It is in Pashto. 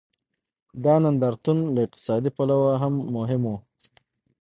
دا نندارتون له اقتصادي پلوه هم مهم و.